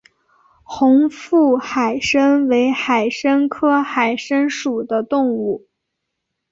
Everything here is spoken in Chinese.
红腹海参为海参科海参属的动物。